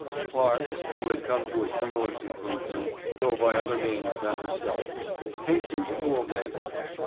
Clarke, who had come to a similar conclusion, though by other means than herself, hastened to obey her.